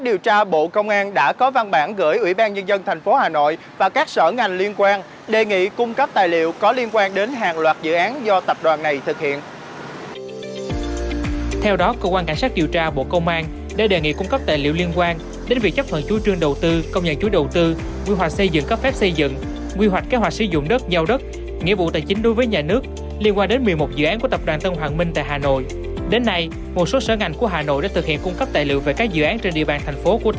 đến nay một số sở ngành của hà nội đã thực hiện cung cấp tài liệu về các dự án trên địa bàn thành phố của tân hoàng minh cho cơ quan điều tra